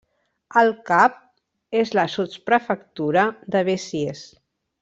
El cap és la sotsprefectura de Besiers.